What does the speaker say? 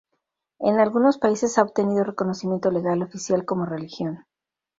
En algunos países ha obtenido reconocimiento legal oficial como religión.